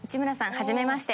初めまして。